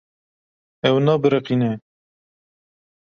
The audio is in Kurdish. Ew nabiriqîne.